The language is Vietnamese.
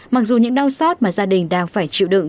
mặc dù những đau xót mà gia đình đang phải chịu đựng